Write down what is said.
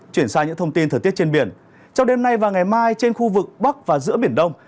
chuyển sang những thông tin thời tiết trên biển trong đêm nay và ngày mai trên khu vực bắc và giữa biển đông